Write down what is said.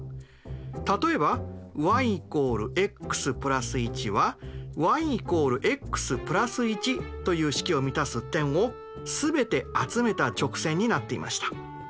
例えばｙ＝ｘ＋１はｙ＝ｘ＋１という式を満たす点を全て集めた直線になっていました。